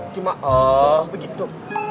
cuma oh begitu